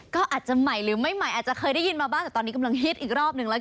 ก็อาจจะใหม่หรือไม่ใหม่อาจจะเคยได้ยินมาบ้างแต่ตอนนี้กำลังฮิตอีกรอบหนึ่งแล้วกัน